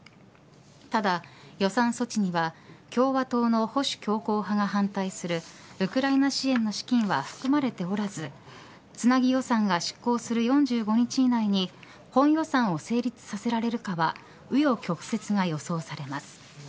ただ予算措置には共和党の保守強硬派が反対するウクライナ支援の資金は含まれておらずつなぎ予算が失効する４５日以内に本予算を成立させられるかは紆余曲折が予想されます。